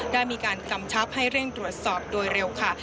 ได้มีการกำชับให้เร่งตรวจสอบโดยเร็วค่ะ